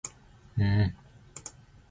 Lekelela ngosizo lokuqala uma uqeqeshelwe lona.